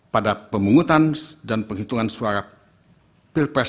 pada pemungutan dan penghitungan suara pilpres dua ribu dua puluh empat